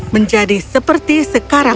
menjadi seperti sekarang